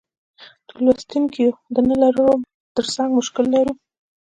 د لوستونکیو د نه لرلو ترڅنګ مشکل لرو.